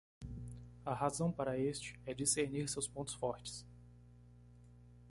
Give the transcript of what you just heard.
A razão para este? é discernir seus pontos fortes.